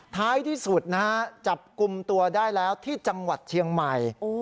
ท้ายที่สุดนะฮะจับกลุ่มตัวได้แล้วที่จังหวัดเชียงใหม่